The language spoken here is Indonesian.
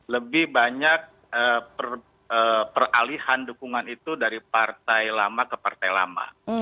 lebih banyak peralihan dukungan itu dari partai lama ke partai lama